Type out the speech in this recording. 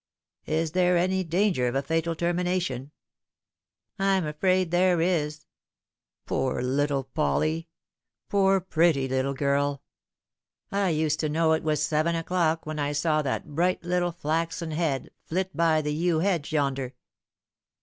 " Is there any danger of a fatal termination ?"" I'm afraid there is." "Poor little Polly poor pretty little girl 1 I used to know *'j was seven o'clock when I saw that bright little flaxen head flit by the yew hedge yonder.